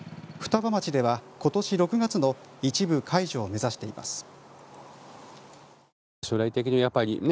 双葉町では今年６月の一部解除を目指しています。